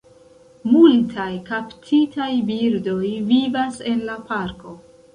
Multaj kaptitaj birdoj vivas en la parko.